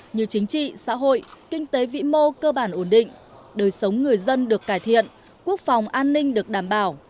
như chính trị xã hội kinh tế vĩ mô cơ bản ổn định đời sống người dân được cải thiện quốc phòng an ninh được đảm bảo